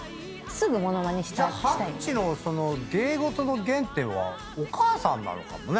はるっちの芸事の原点はお母さんなのかもね。